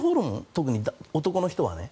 特に男の人はね。